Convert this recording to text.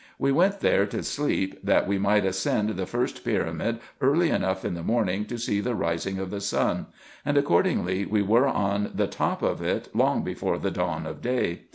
We went there to sleep, that we might ascend the first pyramid early enough in the morning, to see the rising of the sun ; and accordingly we were on the top of it long before the dawn of day.